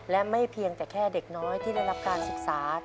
และไม่เพียงแต่แค่เด็กน้อยที่ได้รับการศึกษา